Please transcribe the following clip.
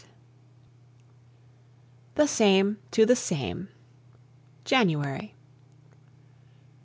VIII. THE SAME TO THE SAME January.